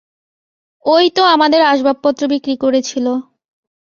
ওই তো আমাদের আসবাবপত্র বিক্রি করেছিল।